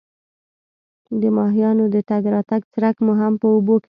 د ماهیانو د تګ راتګ څرک مو هم په اوبو کې ولګاوه.